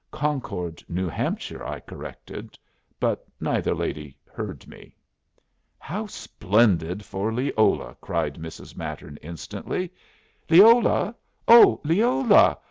"Concord, New Hampshire," I corrected; but neither lady heard me. "How splendid for Leola!" cried Mrs. Mattern, instantly. "Leola! Oh, Leola!